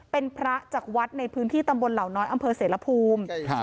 เป็นพระจากวัดในพื้นที่ตำบลเหล่าน้อยอำเภอเสรภูมิ